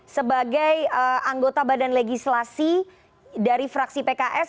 sebagai anggota badan legislasi dari fraksi pks